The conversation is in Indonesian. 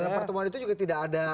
dalam pertemuan itu juga tidak ada